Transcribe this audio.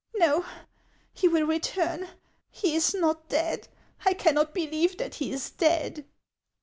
" No, he will return ; he is not dead ; I cannot believe that he is dead."